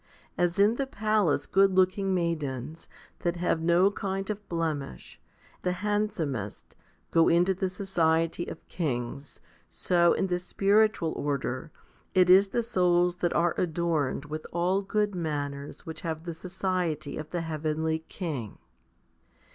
As in the palace good looking maidens, that have no kind of blemish, the handsomest, go into the society of kings, so in the spiritual order, it is the souls that are adorned with all good manners which have the society of the heavenly King.